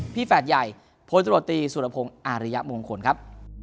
แฝดใหญ่พลตรวจตีสุรพงศ์อาริยมงคลครับ